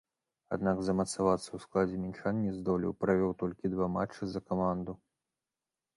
Аднак, замацавацца ў складзе мінчан не здолеў, правёў толькі два матчы за каманду.